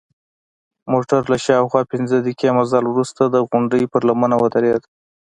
موټر له شاوخوا پنځه دقیقې مزل وروسته د غونډۍ پر لمنه ودرید.